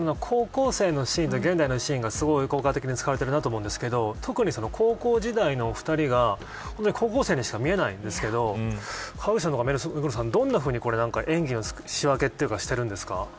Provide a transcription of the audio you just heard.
高校生のシーンと現代のシーンが効果的に使われていると思いましたが特に高校時代のお二人が高校生にしか見えないんですけどどんなふうに演技の仕分けというのをしてるんですか。